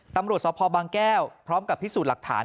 ตำรวจสภบางแก้วพร้อมกับพิสูจน์หลักฐาน